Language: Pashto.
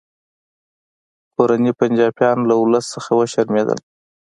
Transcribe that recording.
کورني پنجابیان له ولس څخه وشرمیدل